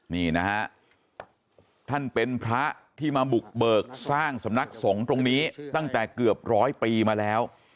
นี่นะฮะท่านเป็นพระที่มาบุกเบิกสร้างสำนักสงฆ์ตรงนี้ตั้งแต่เกือบร้อยปีมาแล้ว